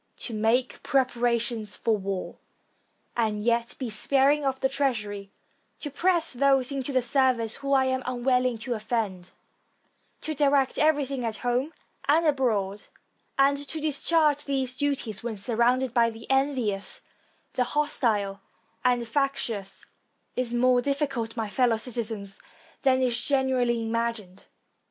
To make preparations for war, and yet be sparing of the treasury; to press those into the service whom I am unwilling to 352 MARIUS TO THE ROMAN PEOPLE offend; to direct everything at home and abroad; and to discharge these duties when surrounded by the envious, the hostile, and the factious, is more difficult, my fellow citizens, than is generally imagined.